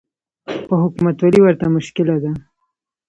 خو حکومتولي ورته مشکله ده